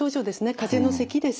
かぜのせきです。